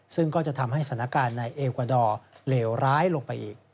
ซึ่งก็จะทำให้สถานการณ์ในเอกวาดอร์เลวร้ายลงไปอีก